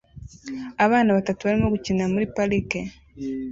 Abana batatu barimo gukinira muri parike